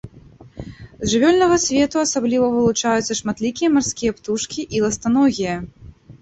З жывёльнага свету асабліва вылучаюцца шматлікія марскія птушкі і ластаногія.